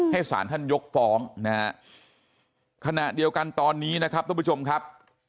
สารท่านยกฟ้องนะฮะขณะเดียวกันตอนนี้นะครับทุกผู้ชมครับ